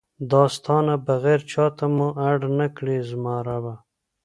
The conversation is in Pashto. دا ستا نه بغیر چاته مو اړ نکړې زما ربه!